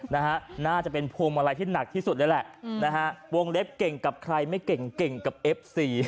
น่าจะเป็นพวงมาลัยที่หนักที่สุดเลยแหละนะฮะวงเล็บเก่งกับใครไม่เก่งเก่งกับเอฟซี